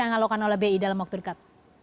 yang akan dilakukan oleh bi dalam waktu dekat